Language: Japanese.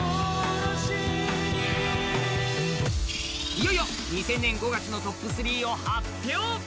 いよいよ２０００年５月のトップ３を発表。